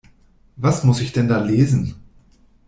Was muss ich denn da lesen?